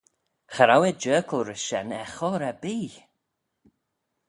Cha row eh jerkal rish shen er chor erbee!